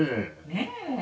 ねえ。